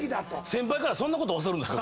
先輩からそんなこと教わるんですか？